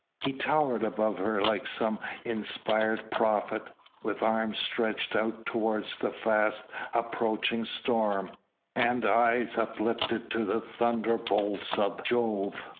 He towered above her like some inspired prophet, with arms stretched out towards the fast approaching storm, and eyes uplifted to the thunderbolts of Jove.